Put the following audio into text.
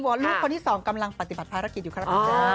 บอกว่าลูกคนที่สองกำลังปฏิบัติภาระกิจอยู่ครับ